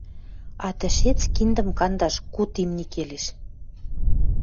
А тӹшец киндӹм кандаш куд имни келеш.